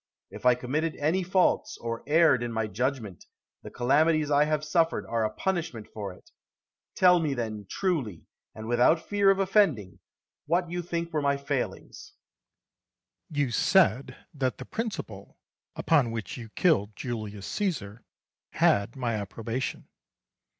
If I committed any faults, or erred in my judgment, the calamities I have suffered are a punishment for it. Tell me then, truly, and without fear of offending, what you think were my failings. Atticus. You said that the principle upon which you killed Julius Caesar had my approbation.